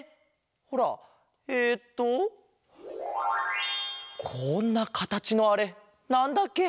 ほらえっとこんなかたちのあれなんだっけ？